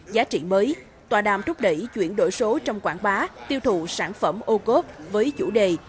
giá trị mới tòa đàm rút đẩy chuyển đổi số trong quảng bá tiêu thụ sản phẩm ô cốp với chủ đề